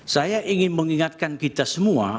saya ingin mengingatkan kita semua